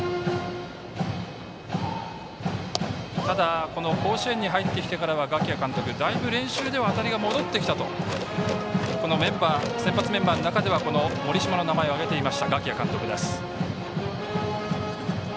ただ、甲子園に入ってきてからは我喜屋監督、だいぶ練習では当たりが戻ってきたと先発メンバーの中では盛島の名前を挙げていました我喜屋監督。